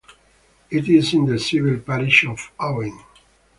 It is in the civil parish of Oving.